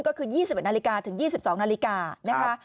ก็คือ๒๑นาฬิกาถึง๒๒นาฬิกานะคะ